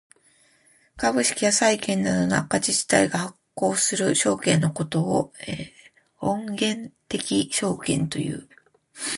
株式や債券などの赤字主体が発行する証券のことを本源的証券という。